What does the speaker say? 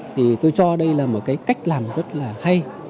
thì tôi cho đây là một cái cách làm rất là hay